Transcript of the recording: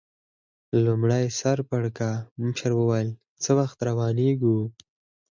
لومړي سر پړکمشر وویل: څه وخت روانېږو؟